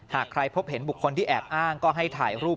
หากใครพบเห็นบุคคลที่แอบอ้างก็ให้ถ่ายรูป